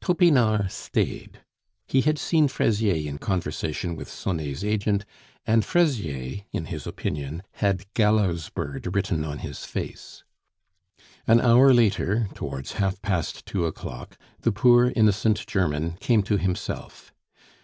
Topinard stayed. He had seen Fraisier in conversation with Sonet's agent, and Fraisier, in his opinion, had gallows bird written on his face. An hour later, towards half past two o'clock, the poor, innocent German came to himself.